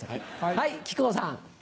はい木久扇さん。